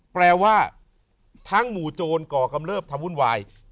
แปลว่าทั้งหมู่โจรก่อกำเริบทำวุ่นวาย